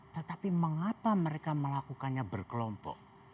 tetapi mengapa mereka melakukannya berkelompok